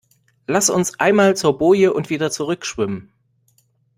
Lass uns einmal zur Boje und wieder zurück schwimmen.